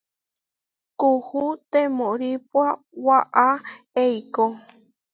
Kuú temóripua waʼá eikó.